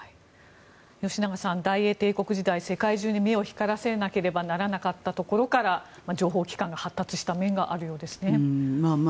吉永さん、大英帝国時代世界中に目を光らせなければならなかったところから情報機関が発達した面があるようですね。